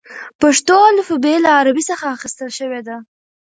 پښتو الفبې له عربي څخه اخیستل شوې ده.